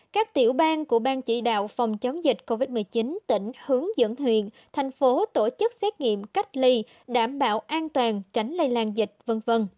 các tiểu bang của bang chỉ đạo phòng chống dịch covid một mươi chín tỉnh hướng dẫn huyện thành phố tổ chức xét nghiệm cách ly đảm bảo an toàn tránh lây lan dịch v v